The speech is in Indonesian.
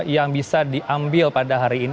yang bisa diambil pada hari ini